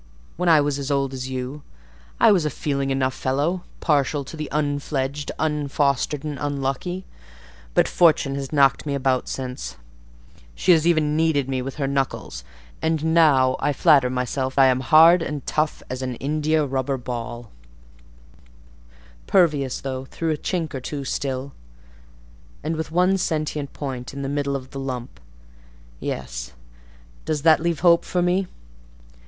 When I was as old as you, I was a feeling fellow enough; partial to the unfledged, unfostered, and unlucky; but Fortune has knocked me about since: she has even kneaded me with her knuckles, and now I flatter myself I am hard and tough as an India rubber ball; pervious, though, through a chink or two still, and with one sentient point in the middle of the lump. Yes: does that leave hope for me?"